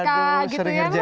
mau menyemangkan kan